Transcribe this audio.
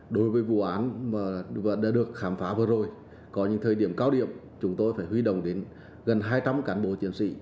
đối với vụ án đã được khám phá vừa rồi có những thời điểm cao điểm chúng tôi phải huy động đến gần hai trăm linh cán bộ chiến sĩ